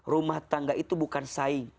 rumah tangga itu bukan saing